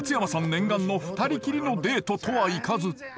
念願の２人きりのデートとはいかず。